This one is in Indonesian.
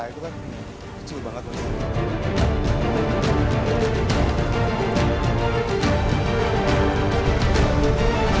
itu kan kecil banget